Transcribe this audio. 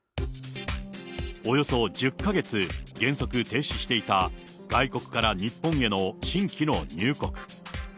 およそ１０か月、原則停止していた外国から日本への新規の入国。